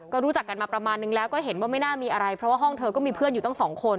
ก็รู้จักกันมาประมาณนึงแล้วก็เห็นว่าไม่น่ามีอะไรเพราะว่าห้องเธอก็มีเพื่อนอยู่ตั้งสองคน